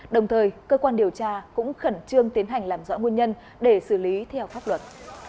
đồng thời cơ quan điều tra cũng khẩn trương tiến hành làm rõ nguồn nhân để xử lý theo pháp luật